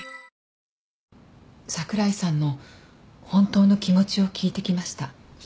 櫻井さんの本当の気持ちを聞いてきました。